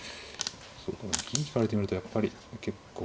そうか銀引かれてみるとやっぱり結構。